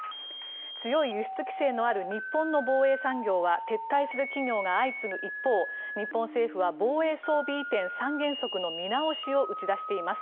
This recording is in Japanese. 強い輸出規制のある日本の防衛産業は撤退する企業が相次ぐ一方日本政府は防衛装備移転三原則の見直しを打ち出しています。